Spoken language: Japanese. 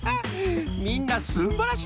みんなすんばらしい